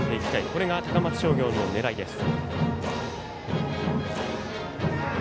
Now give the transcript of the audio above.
これが高松商業の狙いです。